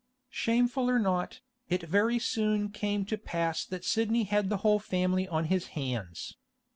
Shameful or not, it very soon came to pass that Sidney had the whole family on his hands.